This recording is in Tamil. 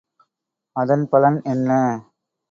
அதன் பலன் என்ன?